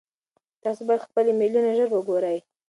تاسو باید خپل ایمیلونه ژر وګورئ.